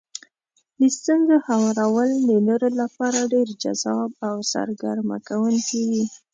د ستونزو هوارول د نورو لپاره ډېر جذاب او سرګرمه کوونکي وي.